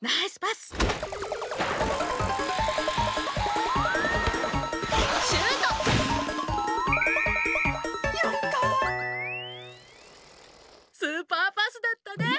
スーパーパスだったね！